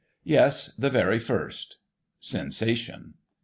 — Yes, the very first. (Sensation.)